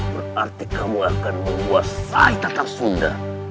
berarti kamu akan menguasai takar sunda